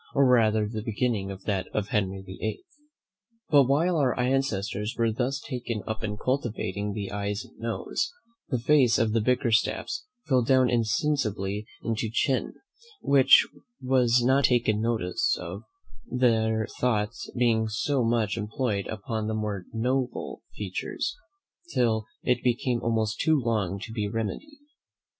or rather the beginning of that of Henry VIII. But while our ancestors were thus taken up in cultivating the eyes and nose, the face of the Bickerstaffs fell down insensibly into chin, which was not taken notice of, their thoughts being so much employed upon the more noble features, till it became almost too long to be remedied.